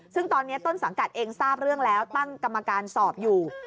ซึ่งตอนนี้ต้นสังกัดเองทราบเรื่องแล้วตั้งกรรมการสอบอยู่